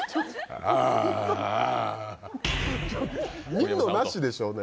見るのなしでしょうね。